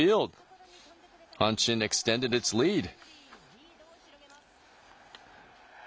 リードを広げます。